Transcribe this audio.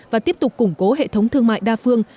và tiếp tục củng cố hệ thống thương mại đa phương